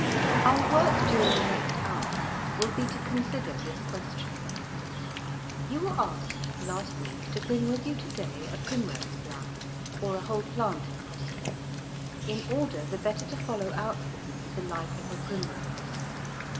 Our work during the next hour will be to consider this question. You were asked last week to bring with you to day a primrose flower, or a whole plant if possible, in order the better to follow out with me the "Life of a Primrose."